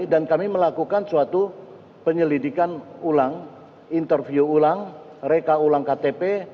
dan kami melakukan suatu penyelidikan ulang interview ulang reka ulang ktp